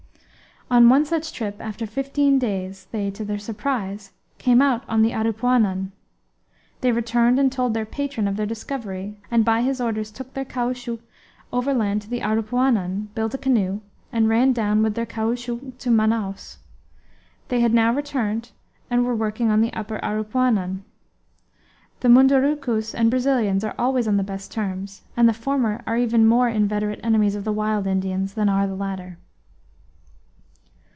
On one such trip, after fifteen days they, to their surprise, came out on the Aripuanan. They returned and told their "patron" of their discovery; and by his orders took their caoutchouc overland to the Aripuanan, built a canoe, and ran down with their caoutchouc to Manaos. They had now returned and were working on the upper Aripuanan. The Mundurucus and Brazilians are always on the best terms, and the former are even more inveterate enemies of the wild Indians than are the latter.